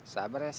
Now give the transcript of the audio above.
sabar ya ses ya